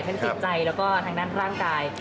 ทั้งเศรษฐ์ใจแล้วก็ทางด้านร่างกาย